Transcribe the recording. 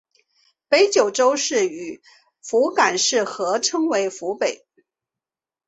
北九州市与福冈市合称为福北。